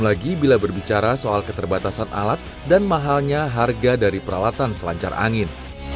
lagi bila berbicara soal keterbatasan alat dan mahalnya harga dari peralatan selancar angin